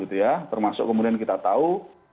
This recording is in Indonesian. termasuk kemudian kita tahu